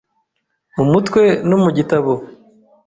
mu mutwe no mu gitabo.